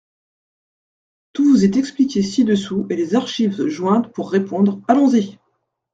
Tout vous est expliqué ci-dessous et les archives jointes pour répondre, allons-y !